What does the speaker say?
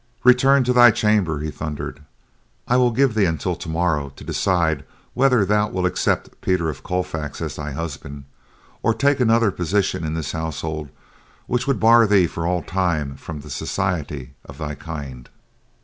"Return to thy chamber," he thundered. "I will give thee until tomorrow to decide whether thou wilt accept Peter of Colfax as thy husband, or take another position in his household which will bar thee for all time from the society of thy kind."